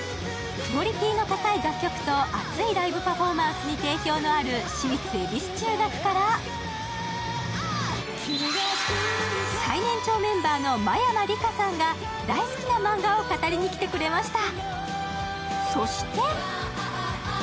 クオリティーの高い楽曲と熱いライブパフォーマンスに定評のある私立恵比寿中学から、最年長メンバーの真山りかさんが大好きなマンガを語りに来てくれました。